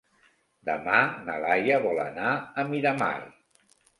Demà na Laia vol anar a Miramar.